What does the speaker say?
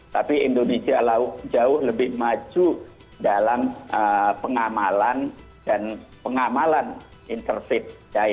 tapi indonesia jauh lebih maju dalam pengamalan dan pengamalan intervied